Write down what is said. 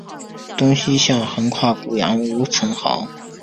东西向横跨古杨吴城壕。